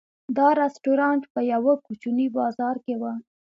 دا رسټورانټ په یوه کوچني بازار کې و.